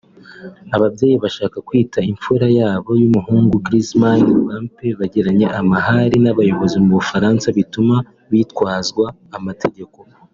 Ababyeyi bashaka kwita imfura yabo y’umuhungu ’Griezmann Mbappé’ bagiranye amahari n’abayobozi mu Bufaransa bituma hitabazwa amategeko